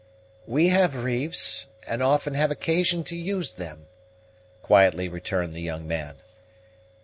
"We have reefs, and often have occasion to use them," quietly returned the young man.